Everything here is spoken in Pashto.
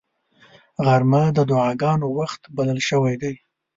غرمه د دعاګانو وخت بلل شوی دی